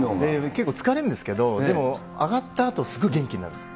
結構疲れるんですけど、でも、上がったあとすごい元気になる。